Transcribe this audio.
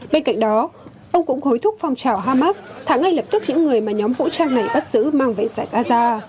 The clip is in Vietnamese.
bên cạnh đó ông cũng hối thúc phong trào hamas thả ngay lập tức những người mà nhóm vũ trang này bắt giữ mang về giải gaza